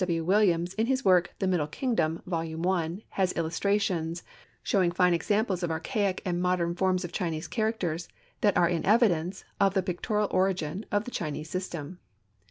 W. Williams, in his work "The Middle Kingdom," Vol. I, has illustrations, showing fine examples of archaic and modern forms of Chinese characters that are in evidence of the pictorial origin of the Chinese system.